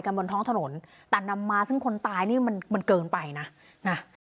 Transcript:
บนท้องถนนแต่นำมาซึ่งคนตายนี่มันมันเกินไปนะนะ